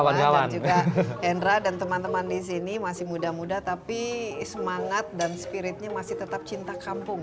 dan juga hendra dan teman teman di sini masih muda muda tapi semangat dan spiritnya masih tetap cinta kampung